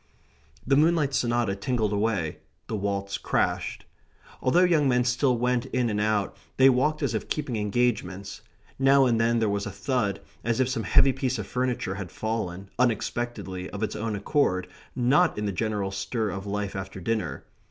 The Moonlight Sonata tinkled away; the waltz crashed. Although young men still went in and out, they walked as if keeping engagements. Now and then there was a thud, as if some heavy piece of furniture had fallen, unexpectedly, of its own accord, not in the general stir of life after dinner.